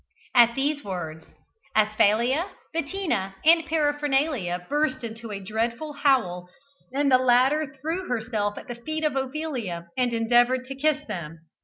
At these words Asphalia, Bettina, and Paraphernalia burst into a dreadful howl, and the latter threw herself at the feet of Ophelia and endeavoured to kiss them.